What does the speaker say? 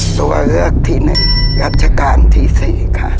ตัวเลือกที่๑รัชกาลที่๔ค่ะ